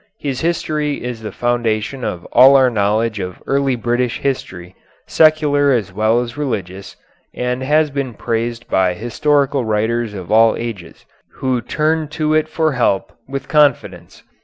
His history is the foundation of all our knowledge of early British history, secular as well as religious, and has been praised by historical writers of all ages, who turned to it for help with confidence.